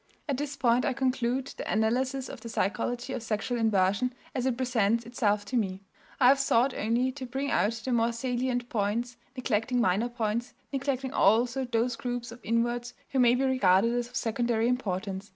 At this point I conclude the analysis of the psychology of sexual inversion as it presents itself to me. I have sought only to bring out the more salient points, neglecting minor points, neglecting also those groups of inverts who may be regarded as of secondary importance.